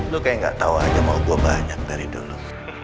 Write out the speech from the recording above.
lu kayak gak tau aja mau gue banyak dari dulu